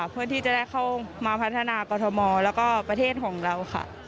เพื่อที่จะได้เข้ามาพัฒนากรทมแล้วก็ประเทศของเราค่ะ